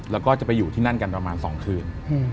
แล้วก็จะไปอยู่ที่นั่นกันประมาณ๒คืน